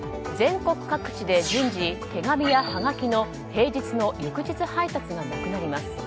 全国各地で順次、手紙やはがきの平日の翌日配達がなくなります。